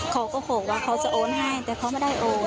เขาก็บอกว่าเขาจะโอนให้แต่เขาไม่ได้โอน